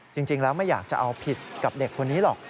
จริงแล้วไม่อยากจะเอาผิดกับเด็กคนนี้หรอก